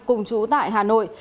cùng chú tại hà nội